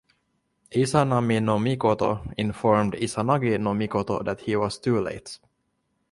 Izanami-no-Mikoto informed Izanagi-no-Mikoto that he was too late.